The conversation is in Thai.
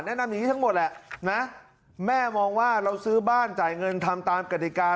นำอย่างนี้ทั้งหมดแหละนะแม่มองว่าเราซื้อบ้านจ่ายเงินทำตามกฎิกา